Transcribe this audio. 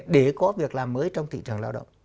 để có việc làm mới trong thị trường lao động